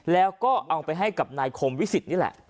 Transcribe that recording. แล้วก็เอาไปให้กับนายคมวิสิตนี่แหละ